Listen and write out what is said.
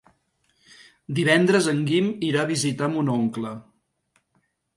Divendres en Guim irà a visitar mon oncle.